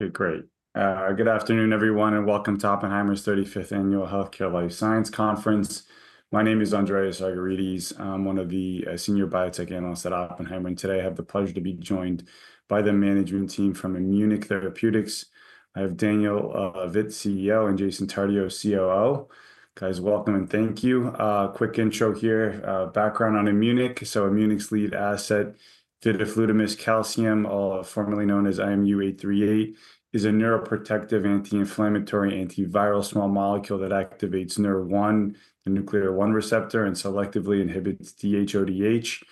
Okay, great. Good afternoon, everyone, and welcome to Oppenheimer's 35th Annual Healthcare Life Science Conference. My name is Andreas Argyrides. I'm one of the Senior Biotech Analysts at Oppenheimer, and today I have the pleasure to be joined by the management team from Immunic Therapeutics. I have Daniel Vitt, CEO, and Jason Tardio, COO. Guys, welcome and thank you. Quick intro here, background on Immunic. Immunic's lead asset, vidofludimus calcium, formerly known as IMU-838, is a neuroprotective, anti-inflammatory, antiviral small molecule that activates NR1, the nuclear receptor 1, and selectively inhibits DHODH.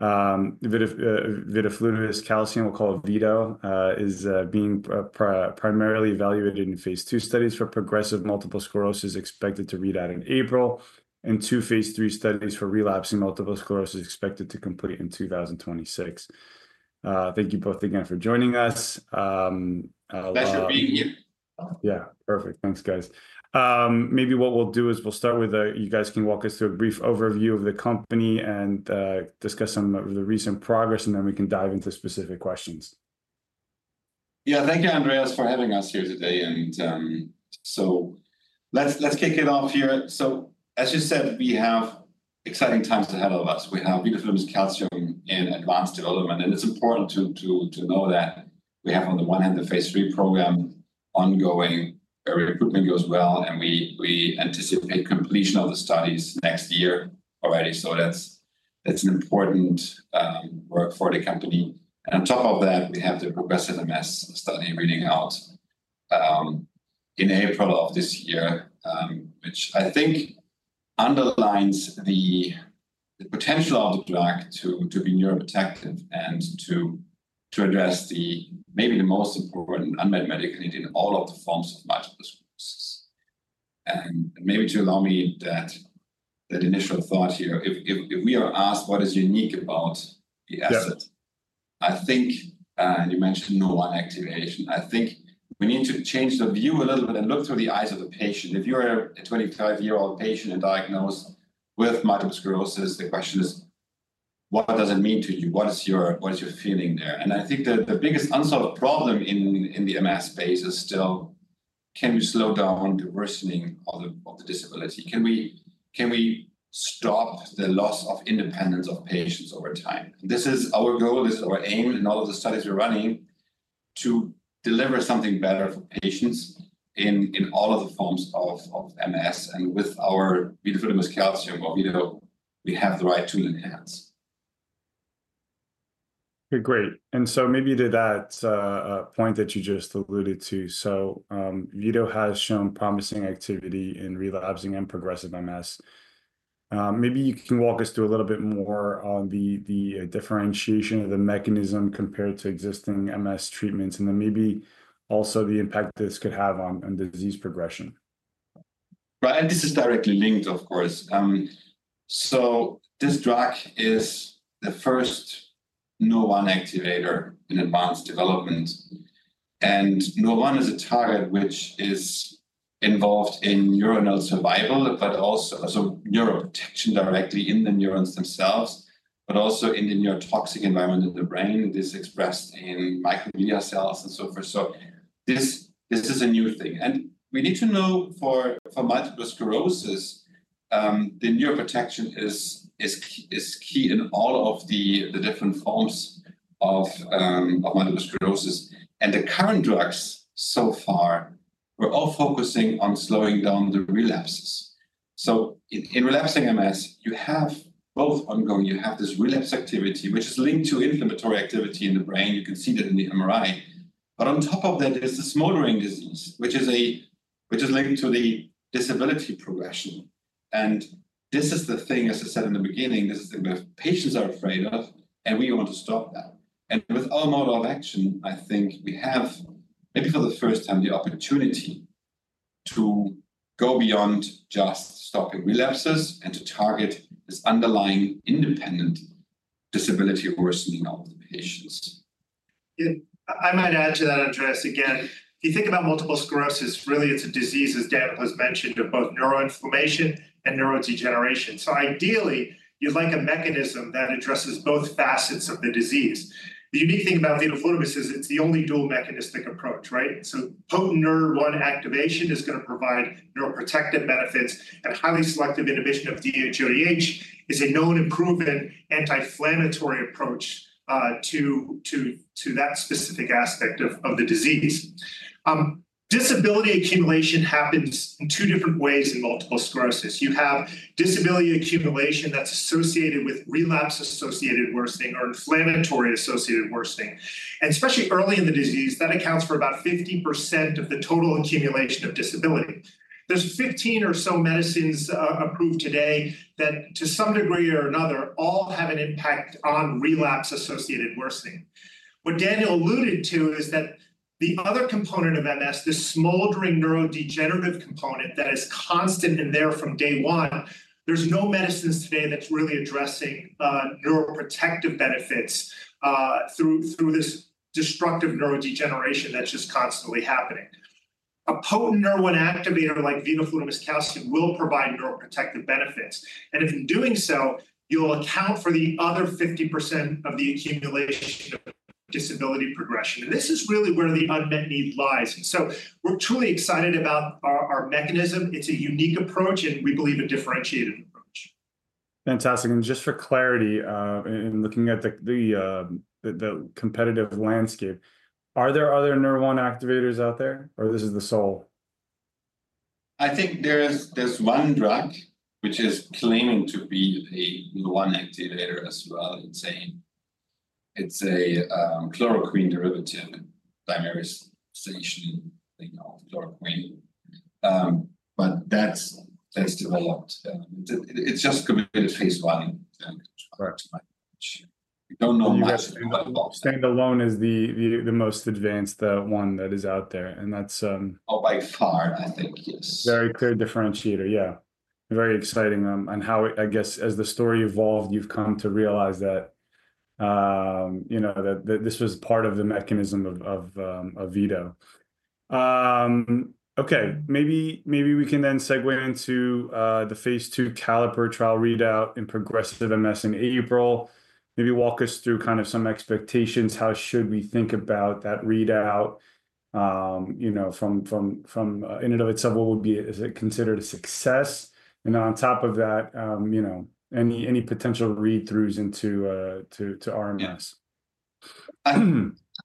Vidofludimus calcium, we'll call it Vito, is being primarily evaluated in Phase II studies for progressive multiple sclerosis expected to read out in April, and 2 Phase III studies for relapsing multiple sclerosis expected to complete in 2026. Thank you both again for joining us. Thanks for being here. Yeah, perfect. Thanks, guys. Maybe what we'll do is we'll start with a, you guys can walk us through a brief overview of the company and discuss some of the recent progress, and then we can dive into specific questions. Yeah, thank you, Andreas, for having us here today. Let's kick it off here. As you said, we have exciting times ahead of us. We have vidofludimus calcium in advanced development, and it's important to know that we have, on the one hand, Phase III program ongoing, where recruitment goes well, and we anticipate completion of the studies next year already. That's important work for the company. On top of that, we have the progressive MS study reading out in April of this year, which I think underlines the potential of the drug to be neuroprotective and to address maybe the most important unmet medical need in all of the forms of multiple sclerosis. Maybe to allow me that initial thought here, if we are asked what is unique about the asset, I think, and you mentioned neuron activation, I think we need to change the view a little bit and look through the eyes of the patient. If you're a 25-year-old patient diagnosed with multiple sclerosis, the question is, what does it mean to you? What is your feeling there? I think the biggest unsolved problem in the MS space is still, can we slow down the worsening of the disability? Can we stop the loss of independence of patients over time? This is our goal, this is our aim in all of the studies we're running, to deliver something better for patients in all of the forms of MS. With our vidofludimus calcium or Vito, we have the right tool in hand. Okay, great. Maybe to that point that you just alluded to, Vito has shown promising activity in relapsing and progressive MS. Maybe you can walk us through a little bit more on the differentiation of the mechanism compared to existing MS treatments, and then maybe also the impact this could have on disease progression. Right, this is directly linked, of course. This drug is the first neuron activator in advanced development. Neuron is a target which is involved in neuronal survival, but also neuroprotection directly in the neurons themselves, but also in the neurotoxic environment in the brain. This is expressed in microglia cells and so forth. This is a new thing. We need to know for multiple sclerosis, the neuroprotection is key in all of the different forms of multiple sclerosis. The current drugs so far were all focusing on slowing down the relapses. In relapsing MS, you have both ongoing, you have this relapse activity, which is linked to inflammatory activity in the brain. You can see that in the MRI. On top of that, there is this motoring disease, which is linked to the disability progression. This is the thing, as I said in the beginning, this is the thing that patients are afraid of, and we want to stop that. With all modes of action, I think we have, maybe for the first time, the opportunity to go beyond just stopping relapses and to target this underlying independent disability worsening of the patients. Yeah, I might add to that, Andreas, again, if you think about multiple sclerosis, really it's a disease, as Daniel has mentioned, of both neuroinflammation and neurodegeneration. Ideally, you'd like a mechanism that addresses both facets of the disease. The unique thing about vidofludimus calcium is it's the only dual mechanistic approach, right? Potent NR1 activation is going to provide neuroprotective benefits, and highly selective inhibition of DHODH is a known improvement anti-inflammatory approach to that specific aspect of the disease. Disability accumulation happens in two different ways in multiple sclerosis. You have disability accumulation that's associated with relapse-associated worsening or inflammatory-associated worsening. Especially early in the disease, that accounts for about 50% of the total accumulation of disability. There are 15 or so medicines approved today that, to some degree or another, all have an impact on relapse-associated worsening. What Daniel alluded to is that the other component of MS, this smoldering neurodegenerative component that is constant in there from day one, there's no medicines today that's really addressing neuroprotective benefits through this destructive neurodegeneration that's just constantly happening. A potent NR1 activator like vidofludimus calcium will provide neuroprotective benefits. If in doing so, you'll account for the other 50% of the accumulation of disability progression. This is really where the unmet need lies. We're truly excited about our mechanism. It's a unique approach, and we believe a differentiated approach. Fantastic. Just for clarity, in looking at the competitive landscape, are there other NR1 activators out there, or is this the sole? I think there's one drug which is claiming to be a NR1 activator as well. It's a chloroquine derivative, dimerization thing called chloroquine. But that's developed. It's just committed phase I. Correct. We don't know much about it. Standalone is the most advanced one that is out there. That is. Oh, by far, I think, yes. Very clear differentiator, yeah. Very exciting. How, I guess, as the story evolved, you've come to realize that this was part of the mechanism of Vito. Okay, maybe we can then segue into the Phase II CALLIPER trial readout in progressive MS in April. Maybe walk us through kind of some expectations. How should we think about that readout from in and of itself? What would be it? Is it considered a success? On top of that, any potential read-throughs into RMS?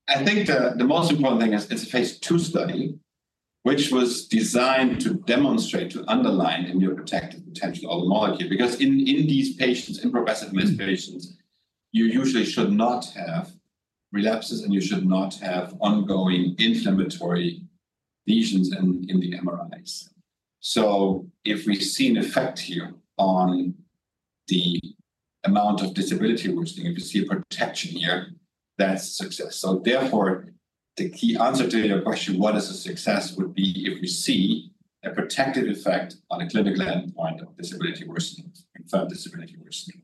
I think the most important thing is it's a Phase II study, which was designed to demonstrate, to underline the neuroprotective potential of the molecule. Because in these patients, in progressive MS patients, you usually should not have relapses, and you should not have ongoing inflammatory lesions in the MRIs. If we see an effect here on the amount of disability worsening, if you see a protection here, that's a success. Therefore, the key answer to your question, what is a success, would be if we see a protective effect on a clinical endpoint of disability worsening, confirmed disability worsening.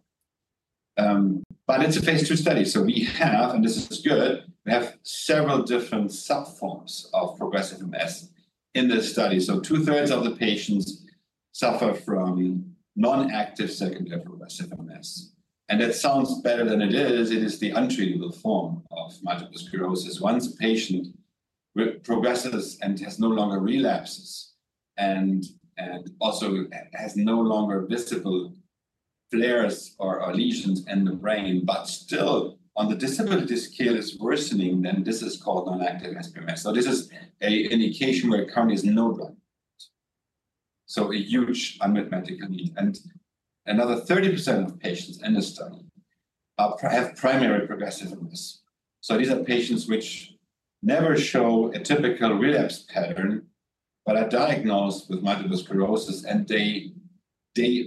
It's a Phase II study. We have, and this is good, we have several different subforms of progressive MS in this study. 2/3 of the patients suffer from non-active secondary progressive MS. That sounds better than it is. It is the untreatable form of multiple sclerosis. Once a patient progresses and has no longer relapses and also has no longer visible flares or lesions in the brain, but still on the disability scale is worsening, this is called non-active MS. This is an indication where currently there's no drug. A huge unmet medical need. Another 30% of patients in this study have primary progressive MS. These are patients which never show a typical relapse pattern, but are diagnosed with multiple sclerosis, and they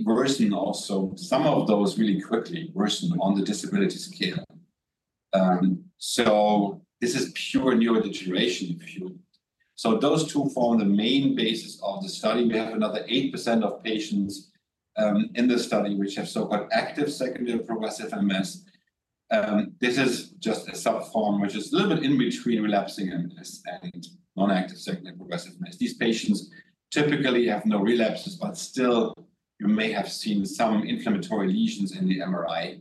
worsen also. Some of those really quickly worsen on the disability scale. This is pure neurodegeneration if you will. Those two form the main basis of the study. We have another 8% of patients in this study which have so-called active secondary progressive MS. This is just a subform, which is a little bit in between relapsing MS and non-active secondary progressive MS. These patients typically have no relapses, but still, you may have seen some inflammatory lesions in the MRI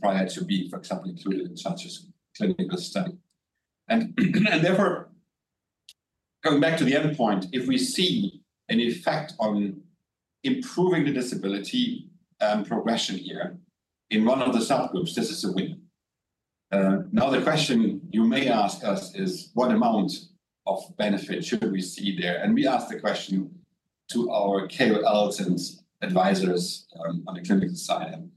prior to being, for example, included in such a clinical study. Therefore, going back to the endpoint, if we see an effect on improving the disability progression here in one of the subgroups, this is a winner. Now, the question you may ask us is, what amount of benefit should we see there? We asked the question to our KOLs and advisors on the clinical side.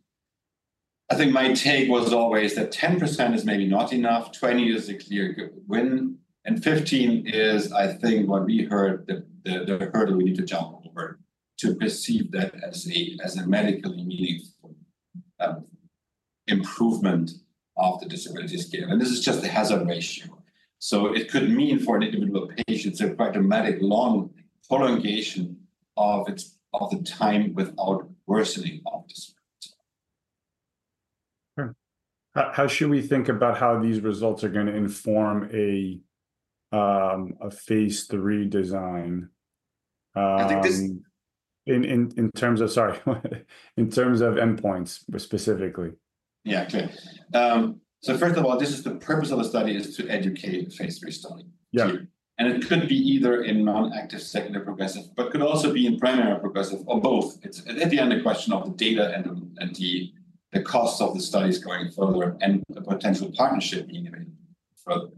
I think my take was always that 10% is maybe not enough, 20% is a clear win, and 15% is, I think, what we heard, the hurdle we need to jump over to perceive that as a medically meaningful improvement of the disability scale. This is just a hazard ratio. It could mean for an individual patient, quite a dramatic long prolongation of the time without worsening of disability. Sure. How should we think about how these results are going to inform a Phase III design? I think this. In terms of, sorry, in terms of endpoints specifically. Yeah, okay. First of all, the purpose of the study is to educate a Phase III study. Yeah. It could be either in non-active secondary progressive, but could also be in primary progressive or both. It's at the end a question of the data and the cost of the studies going further and the potential partnership being available further.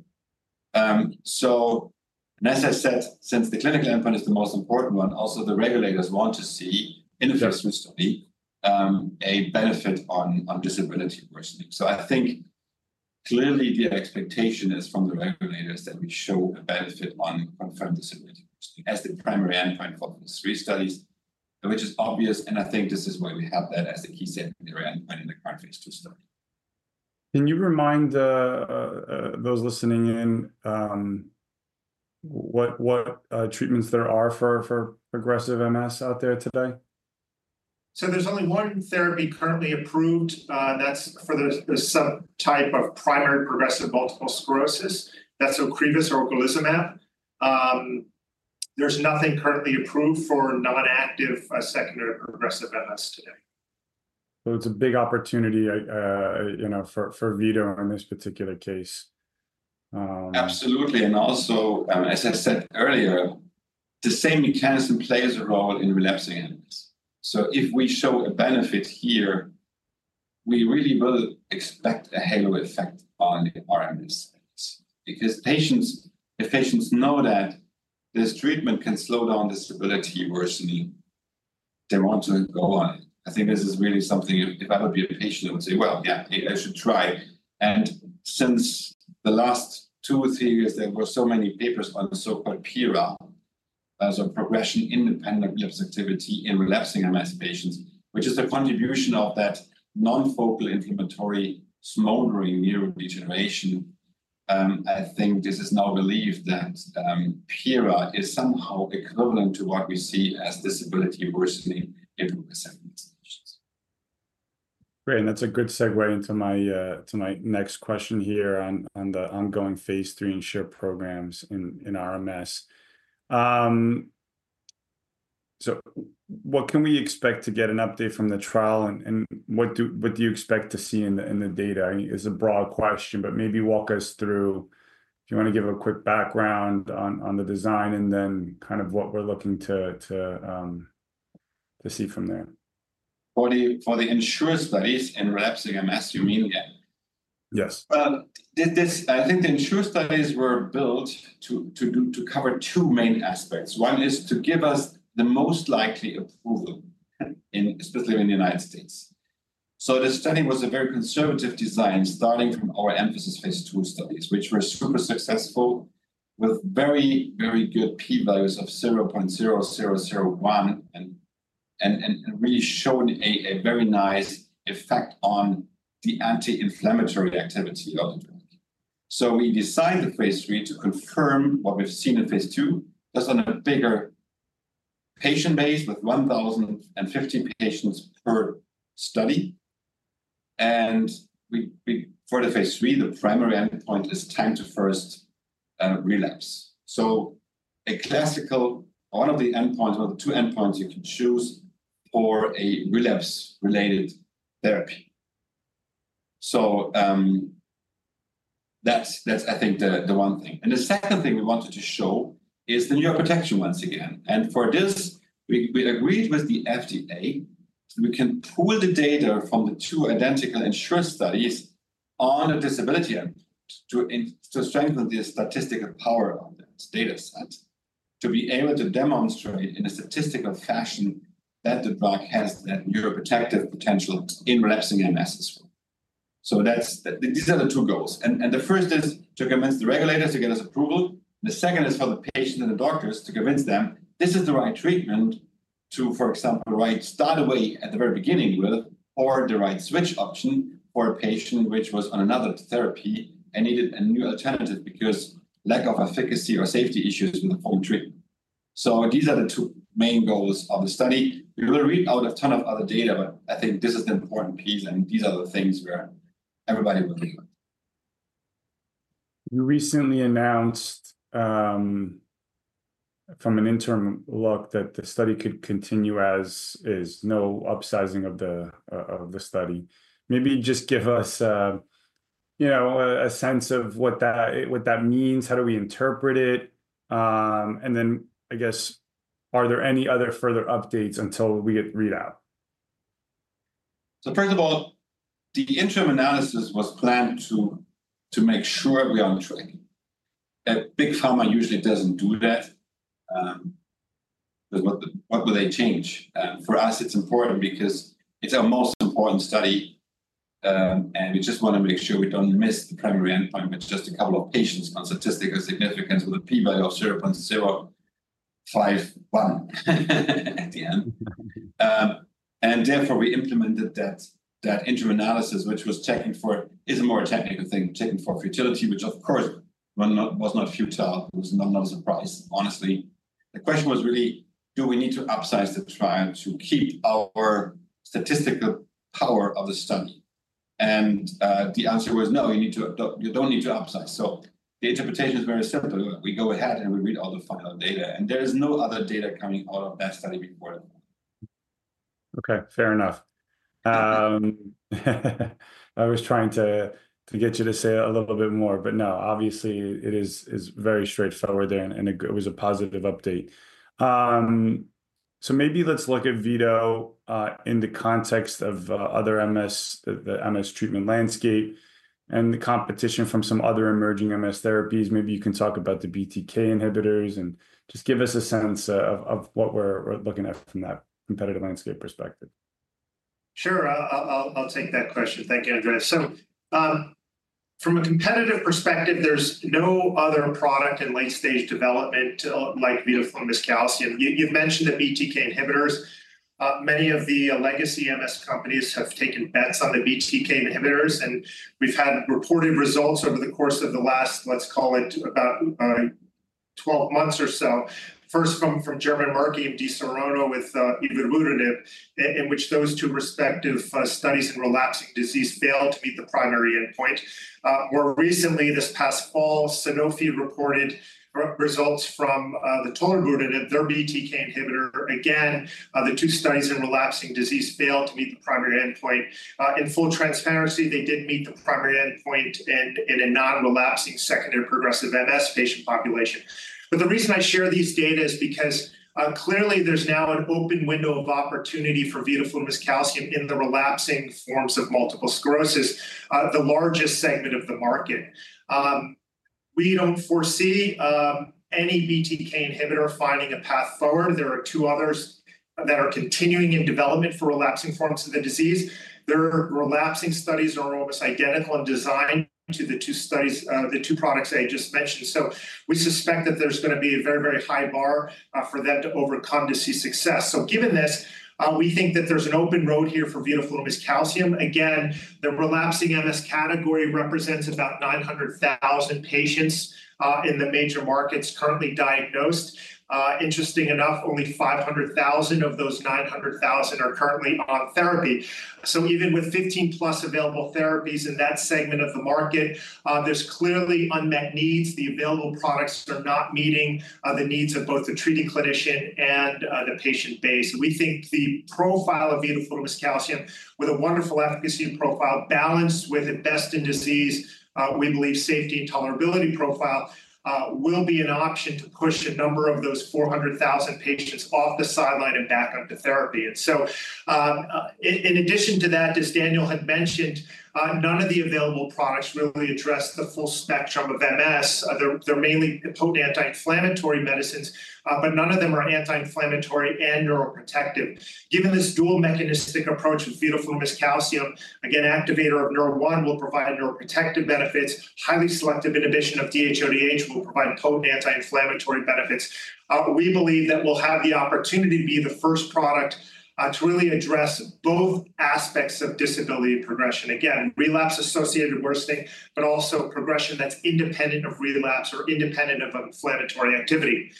As I said, since the clinical endpoint is the most important one, also the regulators want to see in the Phase III study a benefit on disability worsening. I think clearly the expectation is from the regulators that we show a benefit on confirmed disability worsening as the primary endpoint for Phase III studies, which is obvious. I think this is why we have that as the key secondary endpoint in the current Phase II study. Can you remind those listening in what treatments there are for progressive MS out there today? There's only one therapy currently approved that's for the subtype of primary progressive multiple sclerosis. That's Ocrevus or ocrelizumab. There's nothing currently approved for non-active secondary progressive MS today. It's a big opportunity for Vito in this particular case. Absolutely. As I said earlier, the same mechanism plays a role in relapsing MS. If we show a benefit here, we really will expect a halo effect on the RMS because if patients know that this treatment can slow down disability worsening, they want to go on it. I think this is really something if I would be a patient, I would say, yeah, I should try. Since the last two or three years, there were so many papers on so-called PIRA, so progression independent relapse activity in relapsing MS patients, which is a contribution of that non-focal inflammatory smoldering neurodegeneration. I think this is now believed that PIRA is somehow equivalent to what we see as disability worsening in secondary patients. Great. That's a good segue into my next question here on the ongoing Phase III INSURE programs in RMS. What can we expect to get an update from the trial? What do you expect to see in the data? It's a broad question, but maybe walk us through, if you want to give a quick background on the design and then kind of what we're looking to see from there. For the insurance studies in relapsing MS, you mean, yeah? Yes. I think the insurance studies were built to cover two main aspects. One is to give us the most likely approval, especially in the United States. The study was a very conservative design starting from our emphasis Phase II studies, which were super successful with very, very good P values of 0.0001 and really showed a very nice effect on the anti-inflammatory activity of the drug. We decided Phase III to confirm what we've seen in Phase II, just on a bigger patient base with 1,050 patients per study. For the Phase III, the primary endpoint is time to first relapse. A classical, one of the endpoints, one of the two endpoints you can choose for a relapse-related therapy. I think that's the one thing. The second thing we wanted to show is the neuroprotection once again. For this, we agreed with the FDA that we can pull the data from the two identical insurance studies on a disability endpoint to strengthen the statistical power of this data set to be able to demonstrate in a statistical fashion that the drug has that neuroprotective potential in relapsing MS as well. These are the two goals. The first is to convince the regulators to get us approval. The second is for the patient and the doctors to convince them this is the right treatment to, for example, start right away at the very beginning with or the right switch option for a patient who was on another therapy and needed a new alternative because of lack of efficacy or safety issues with the home treatment. These are the two main goals of the study. We will read out a ton of other data, but I think this is the important piece. These are the things where everybody will agree. You recently announced from an interim look that the study could continue as is, no upsizing of the study. Maybe just give us a sense of what that means, how do we interpret it? I guess, are there any other further updates until we get readout? First of all, the interim analysis was planned to make sure we are on track. A big pharma usually does not do that. What would they change? For us, it is important because it is our most important study. We just want to make sure we do not miss the primary endpoint with just a couple of patients on statistical significance with a P value of 0.051 at the end. Therefore, we implemented that interim analysis, which was checking for, it is a more technical thing, checking for futility, which of course was not futile. It was not a surprise, honestly. The question was really, do we need to upsize the trial to keep our statistical power of the study? The answer was no, you do not need to upsize. The interpretation is very simple. We go ahead and we read all the final data. There is no other data coming out of that study report. Okay, fair enough. I was trying to get you to say a little bit more, but no, obviously, it is very straightforward there. It was a positive update. Maybe let's look at Vito in the context of other MS, the MS treatment landscape, and the competition from some other emerging MS therapies. Maybe you can talk about the BTK inhibitors and just give us a sense of what we're looking at from that competitive landscape perspective. Sure, I'll take that question. Thank you, Andreas. From a competitive perspective, there's no other product in late-stage development like vidofludimus calcium. You've mentioned the BTK inhibitors. Many of the legacy MS companies have taken bets on the BTK inhibitors. We've had reported results over the course of the last, let's call it, about 12 months or so, first from German marketing of Merck KGaA with evobrutinib, in which those two respective studies in relapsing disease failed to meet the primary endpoint. More recently, this past fall, Sanofi reported results from tolebrutinib, their BTK inhibitor. Again, the two studies in relapsing disease failed to meet the primary endpoint. In full transparency, they did meet the primary endpoint in a non-relapsing secondary progressive MS patient population. The reason I share these data is because clearly there's now an open window of opportunity for vidofludimus calcium in the relapsing forms of multiple sclerosis, the largest segment of the market. We don't foresee any BTK inhibitor finding a path forward. There are two others that are continuing in development for relapsing forms of the disease. Their relapsing studies are almost identical in design to the two products I just mentioned. We suspect that there's going to be a very, very high bar for them to overcome to see success. Given this, we think that there's an open road here for vidofludimus calcium. Again, the relapsing MS category represents about 900,000 patients in the major markets currently diagnosed. Interestingly enough, only 500,000 of those 900,000 are currently on therapy. Even with 15+ available therapies in that segment of the market, there's clearly unmet needs. The available products are not meeting the needs of both the treating clinician and the patient base. We think the profile of vidofludimus calcium with a wonderful efficacy profile balanced with investing disease, we believe safety and tolerability profile will be an option to push a number of those 400,000 patients off the sideline and back onto therapy. In addition to that, as Daniel had mentioned, none of the available products really address the full spectrum of MS. They're mainly potent anti-inflammatory medicines, but none of them are anti-inflammatory and neuroprotective. Given this dual mechanistic approach with vidofludimus calcium, again, activator of NR1 will provide neuroprotective benefits. Highly selective inhibition of DHODH will provide potent anti-inflammatory benefits. We believe that we'll have the opportunity to be the first product to really address both aspects of disability progression. Again, relapse-associated worsening, but also progression that's independent of relapse or independent of inflammatory activity.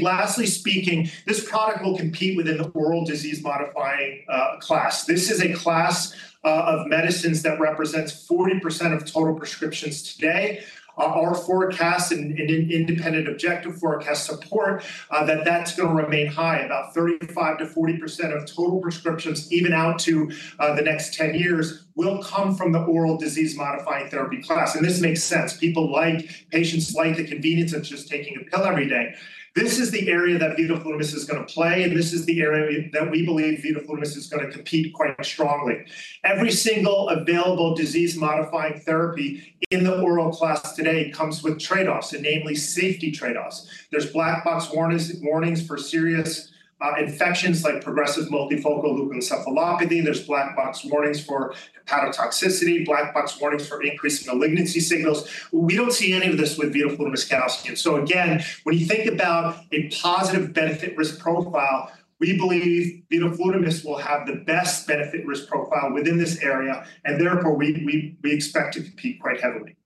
Lastly speaking, this product will compete within the oral disease modifying class. This is a class of medicines that represents 40% of total prescriptions today. Our forecast and independent objective forecast support that that's going to remain high. About 35%-40% of total prescriptions, even out to the next 10 years, will come from the oral disease modifying therapy class. This makes sense. Patients like the convenience of just taking a pill every day. This is the area that vidofludimus calcium is going to play. This is the area that we believe vidofludimus calcium is going to compete quite strongly. Every single available disease modifying therapy in the oral class today comes with trade-offs, namely safety trade-offs. There's black box warnings for serious infections like progressive multifocal leukoencephalopathy. There's black box warnings for hepatotoxicity, black box warnings for increased malignancy signals. We don't see any of this with vidofludimus calcium. When you think about a positive benefit risk profile, we believe vidofludimus will have the best benefit risk profile within this area. Therefore, we expect to compete quite heavily.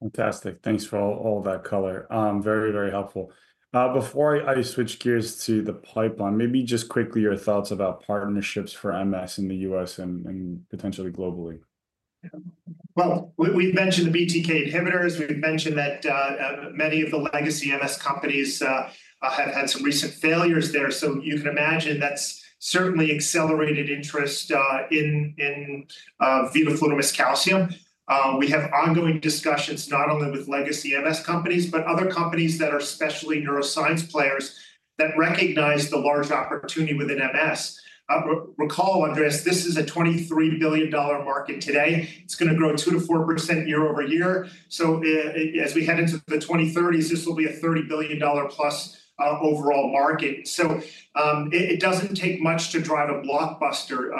Fantastic. Thanks for all that color. Very, very helpful. Before I switch gears to the pipeline, maybe just quickly your thoughts about partnerships for MS in the US and potentially globally. We've mentioned the BTK inhibitors. We've mentioned that many of the legacy MS companies have had some recent failures there. You can imagine that's certainly accelerated interest in vidofludimus calcium. We have ongoing discussions not only with legacy MS companies, but other companies that are especially neuroscience players that recognize the large opportunity within MS. Recall, Andreas, this is a $23 billion market today. It's going to grow 2%-4% year over year. As we head into the 2030s, this will be a $30 billion plus overall market. It doesn't take much to drive a blockbuster.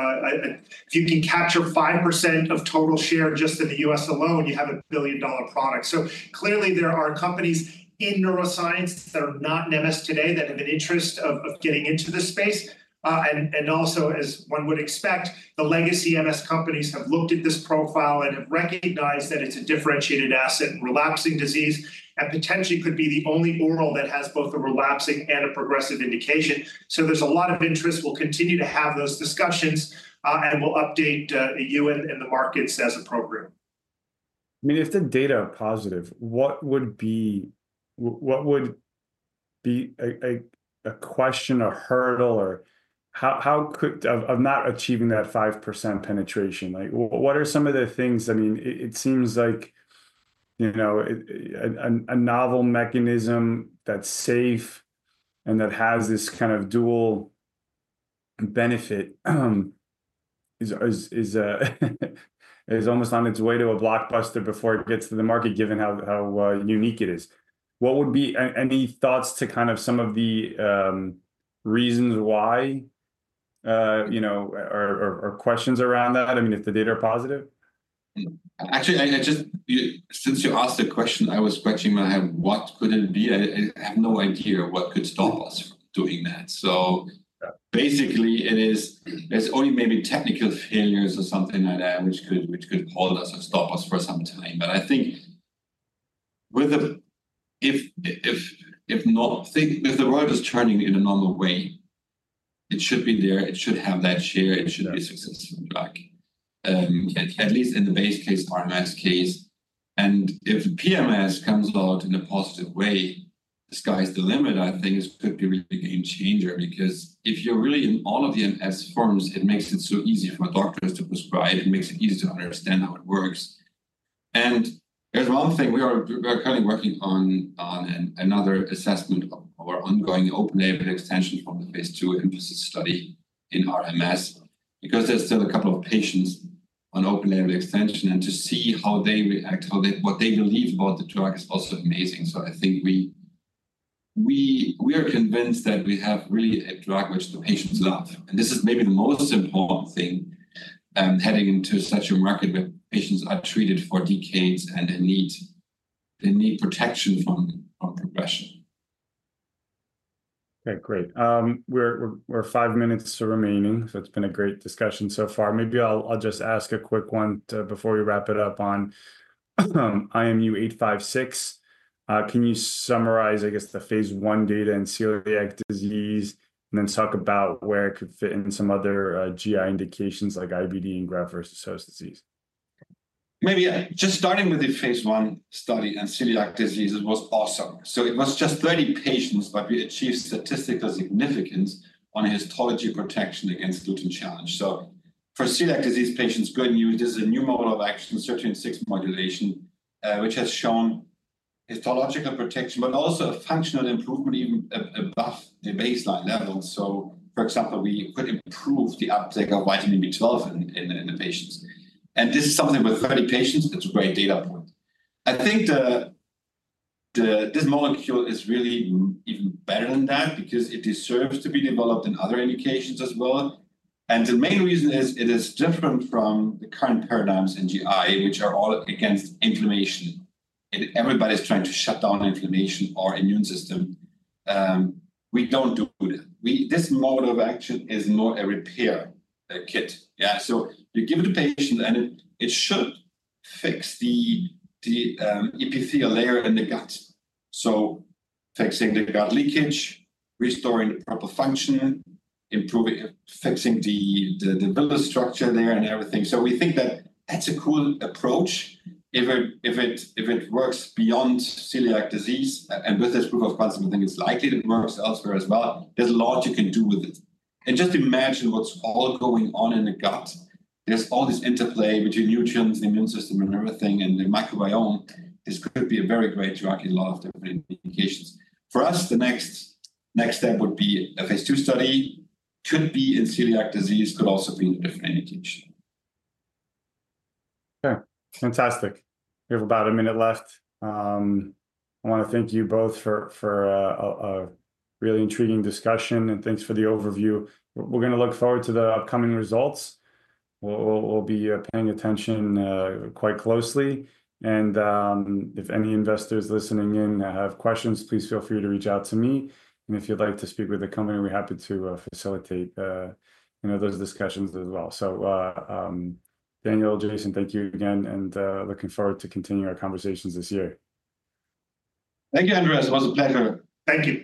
If you can capture 5% of total share just in the U.S. alone, you have a billion-dollar product. Clearly, there are companies in neuroscience that are not in MS today that have an interest of getting into this space. As one would expect, the legacy MS companies have looked at this profile and have recognized that it's a differentiated asset in relapsing disease and potentially could be the only oral that has both a relapsing and a progressive indication. There is a lot of interest. We'll continue to have those discussions, and we'll update you and the markets as appropriate. I mean, if the data are positive, what would be a question, a hurdle, or how could of not achieving that 5% penetration? What are some of the things? I mean, it seems like a novel mechanism that's safe and that has this kind of dual benefit is almost on its way to a blockbuster before it gets to the market, given how unique it is. What would be any thoughts to kind of some of the reasons why or questions around that? I mean, if the data are positive. Actually, since you asked the question, I was questioning my, what could it be? I have no idea what could stop us from doing that. Basically, it is there's only maybe technical failures or something like that which could hold us or stop us for some time. I think if the world is turning in a normal way, it should be there. It should have that share. It should be successful, at least in the base case, RMS case. If PMS comes out in a positive way, the sky's the limit, I think it could be a game changer because if you're really in all of the MS forms, it makes it so easy for doctors to prescribe. It makes it easy to understand how it works. There is one thing we are currently working on, another assessment of our ongoing open-label extension from the Phase II EMPhASIS study in RMS, because there are still a couple of patients on open-label extension. To see how they react, what they believe about the drug is also amazing. I think we are convinced that we have really a drug which the patients love. This is maybe the most important thing heading into such a market where patients are treated for decades and they need protection from progression. Okay, great. We're five minutes remaining. It's been a great discussion so far. Maybe I'll just ask a quick one before we wrap it up on IMU-856. Can you summarize, I guess, the phase one data in celiac disease and then talk about where it could fit in some other GI indications like IBD and graft versus host disease? Maybe just starting with the phase I study in celiac disease was awesome. It was just 30 patients, but we achieved statistical significance on histology protection against gluten challenge. For celiac disease patients, good news, there is a new mode of action, CERTAN6 modulation, which has shown histological protection, but also a functional improvement even above the baseline level. For example, we could improve the uptake of vitamin B12 in the patients. This is something with 30 patients. It is a great data point. I think this molecule is really even better than that because it deserves to be developed in other indications as well. The main reason is it is different from the current paradigms in GI, which are all against inflammation. Everybody is trying to shut down inflammation or immune system. We do not do that. This mode of action is more a repair kit. Yeah, you give it to patients and it should fix the epithelial layer in the gut. Fixing the gut leakage, restoring proper function, fixing the villous structure there and everything. We think that that's a cool approach. If it works beyond celiac disease and with this group of guts, I think it's likely it works elsewhere as well. There's a lot you can do with it. Just imagine what's all going on in the gut. There's all this interplay between nutrients, the immune system, and everything, and the microbiome. This could be a very great drug in a lot of different indications. For us, the next step would be a Phase II study. Could be in celiac disease, could also be in a different indication. Okay, fantastic. We have about a minute left. I want to thank you both for a really intriguing discussion and thanks for the overview. We're going to look forward to the upcoming results. We'll be paying attention quite closely. If any investors listening in have questions, please feel free to reach out to me. If you'd like to speak with a company, we're happy to facilitate those discussions as well. Daniel, Jason, thank you again, and looking forward to continuing our conversations this year. Thank you, Andreas. It was a pleasure. Thank you.